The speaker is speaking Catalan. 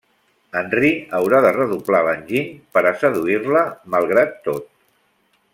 Henry haurà de redoblar l'enginy per a seduir-la malgrat tot.